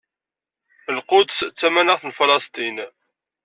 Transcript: Lquds d tamanaɣt n Falesṭin.